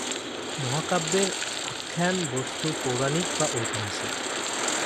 মহাকাব্যের আখ্যান-বস্তু পৌরাণিক বা ঐতিহাসিক।